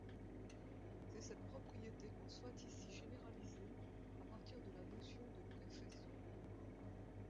C'est cette propriété qu'on souhaite ici généraliser à partir de la notion de préfaisceau.